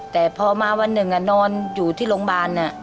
แต่พอมาวันหนึ่งนอนอยู่ที่โรงพยาบาล